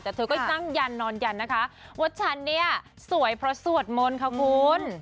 แต่เธอก็ตั้งยันนอนยันนะคะว่าฉันเนี่ยสวยเพราะสวดมนต์ค่ะคุณ